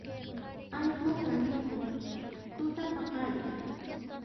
Allqu kanikun tutapaqariq